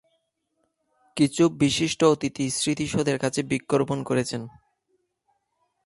কিছু বিশিষ্ট অতিথি স্মৃতিসৌধের কাছে বৃক্ষরোপণ করেছেন।